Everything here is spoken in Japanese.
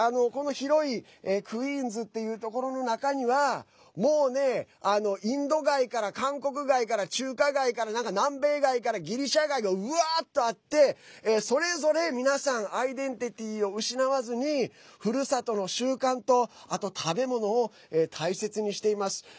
この広いクイーンズっていうところの中にはもうね、インド街から韓国街から中華街から南米街からギリシャ街が、うわーっとあってそれぞれ、皆さんアイデンティティーを失わずにふるさとの習慣とあと食べ物を大切にしています。